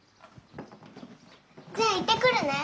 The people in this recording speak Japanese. じゃあ行ってくるね。